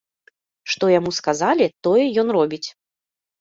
Што яму сказалі, тое ён робіць.